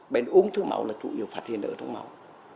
bệnh ung thư máu là chủ yếu phát hiện ở trong máu